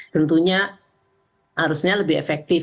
tentunya harusnya lebih efektif